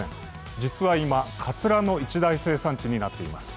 実は今、かつらの一大生産地になっています。